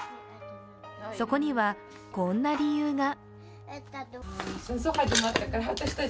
そこには、こんな理由が。